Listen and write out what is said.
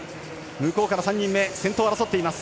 向こうから３人目先頭を争っています。